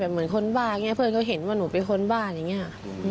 เหมือนคนบ้าอย่างนี้เพื่อนเขาเห็นว่าหนูเป็นคนบ้าอย่างนี้